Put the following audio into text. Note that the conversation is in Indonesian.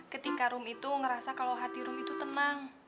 ketika rum itu ngerasa kalau hati rum itu tenang